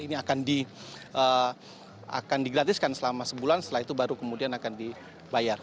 ini akan digratiskan selama sebulan setelah itu baru kemudian akan dibayar